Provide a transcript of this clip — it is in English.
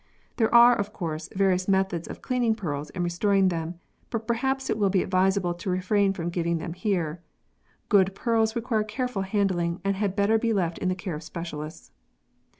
There are, of course, various methods of cleaning pearls and restoring them, but perhaps it will be advisable to refrain from giving them here. Good pearls require careful handling and had better be left in the care of specialists.